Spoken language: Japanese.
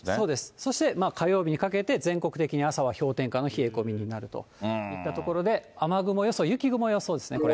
そして火曜日にかけて、全国的に朝は氷点下の冷え込みになるといったところで、雨雲予想、雪雲予想ですね、これ。